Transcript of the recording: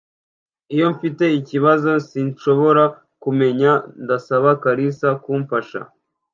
Iyo mfite ikibazo sinshobora kumenya, ndasaba kalisa kumfasha.